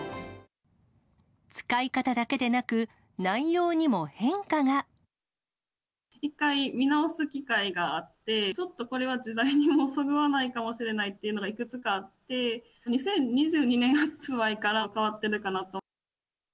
使い方だけでなく、一回見直す機会があって、ちょっとこれは、時代にもそぐわないかもしれないというのが、いくつかあって、２０２２年発売から、変わっているかなと。